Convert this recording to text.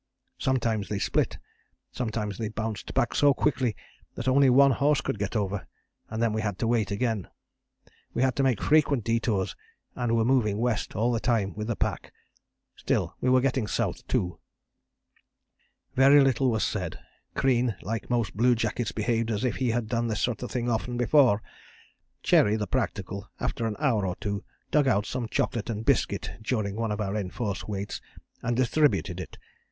Sometimes they split, sometimes they bounced back so quickly that only one horse could get over, and then we had to wait again. We had to make frequent detours and were moving west all the time with the pack, still we were getting south, too. "Very little was said. Crean like most bluejackets behaved as if he had done this sort of thing often before. Cherry, the practical, after an hour or two dug out some chocolate and biscuit, during one of our enforced waits, and distributed it.